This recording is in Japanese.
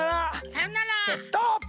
さようなら！ってストップ！